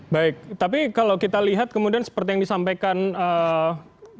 baik tapi kalau kita lihat kemudian seperti yang disampaikan